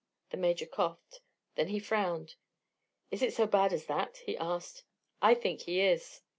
The Major coughed. Then he frowned. "Is it so bad as that?" he asked. "I think he is."